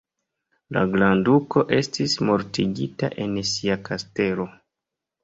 La grandduko estis mortigita en sia kastelo.